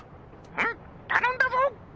「うむたのんだぞ！」。